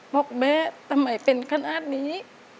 บอกแม่ทำไมเป็นขนาดนี้